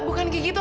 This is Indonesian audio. bukan kayak gitu